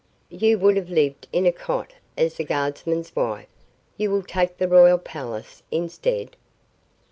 You would have lived in a cot as the guardsman's wife; you will take the royal palace instead?"